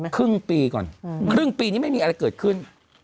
ครึ่งปีก่อนครึ่งปีนี้ไม่มีอะไรเกิดขึ้น